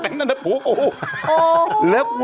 โถ่อยู่ทนเขา